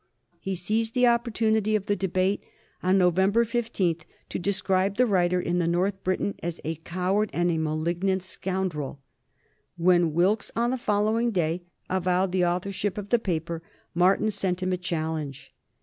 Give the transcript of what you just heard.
He seized the opportunity of the debate on November 15th to describe the writer in the North Briton as a "coward and a malignant scoundrel." When Wilkes, on the following day, avowed the authorship of the paper, Martin sent him a challenge.